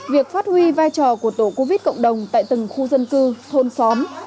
việc phát huy vai trò của tổ covid cộng đồng tại từng khu dân cư thôn xóm